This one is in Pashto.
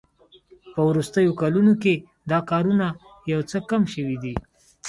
په وروستیو کلونو کې دا کارونه یو څه کم شوي دي